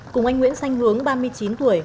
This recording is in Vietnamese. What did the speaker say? cùng anh nguyễn xanh hướng ba mươi chín tuổi